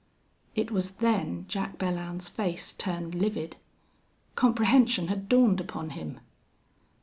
It was then Jack Belllounds's face turned livid. Comprehension had dawned upon him.